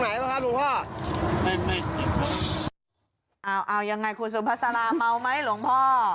เอาเอายังไงครูสุพษามาเหมาะไหมหลวงพ่อ